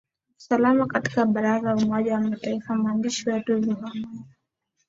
salama katika baraza la umoja wa mataifa mwandishi wetu zuhra mwera